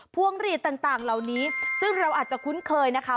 พวงหลีดต่างเหล่านี้ซึ่งเราอาจจะคุ้นเคยนะคะ